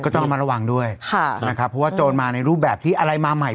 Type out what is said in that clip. ก็ต้องมาระหว่างด้วยนะครับเพราะว่าโจรมาในรูปแบบที่อะไรมาใหม่